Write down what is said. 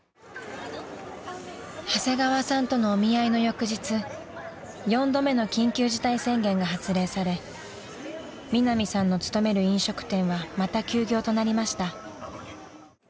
［長谷川さんとのお見合いの翌日４度目の緊急事態宣言が発令されミナミさんの勤める飲食店はまた休業となりました］